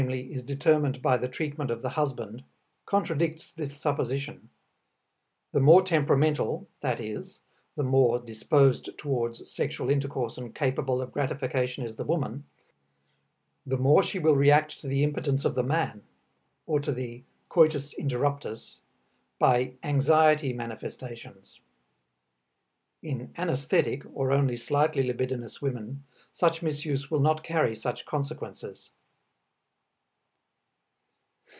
is determined by the treatment of the husband, contradicts this supposition. The more temperamental, that is, the more disposed toward sexual intercourse and capable of gratification is the woman, the more will she react to the impotence of the man, or to the coitus interruptus, by anxiety manifestations. In anaesthetic or only slightly libidinous women, such misuse will not carry such consequences.